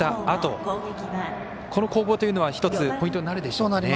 あとこの攻防というのは１つポイントになるでしょうか。